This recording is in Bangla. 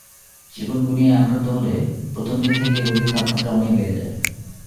চিকনগুনিয়ায় আক্রান্ত হলে প্রথম দিন থেকেই রোগীর তাপমাত্রা অনেক বেড়ে যায়।